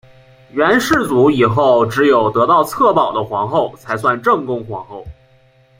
元世祖以后只有得到策宝的皇后才算正宫皇后。